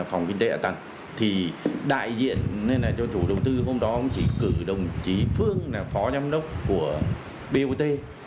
phòng kinh tế tăng thì đại diện cho chủ đầu tư hôm đó cũng chỉ cử đồng chí phương là phó giám đốc của bot